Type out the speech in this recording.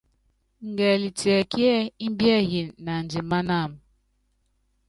Ngɛli tiɛkíɛ́ ɛ́ɛ́ imbiɛyini naandiman wam?